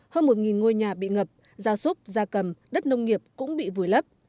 hơn một ngôi nhà bị ngập ra súc ra cầm đất nông nghiệp cũng bị vùi lấp